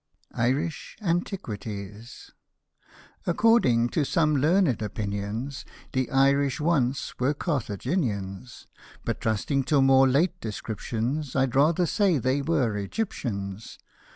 IRISH ANTIQUITIES According to some learned opinions The Irish once were Carthaginians ; But, trusting to more late descriptions, I'd rather say they were Egyptians.